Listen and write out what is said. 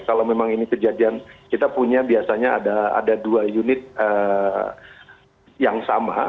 kalau memang ini kejadian kita punya biasanya ada dua unit yang sama